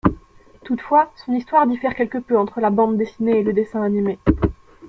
Toutefois, son histoire diffère quelque peu entre la bande dessinée et le dessin animé.